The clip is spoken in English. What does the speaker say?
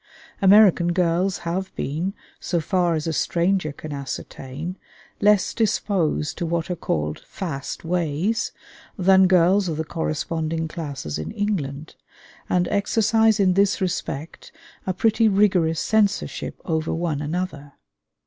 American girls have been, so far as a stranger can ascertain, less disposed to what are called "fast ways" than girls of the corresponding classes in England, and exercise in this respect a pretty rigorous censorship over one another.